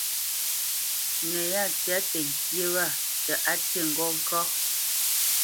No yá tsya təŋkyé wa tə á ti ŋgó ŋká.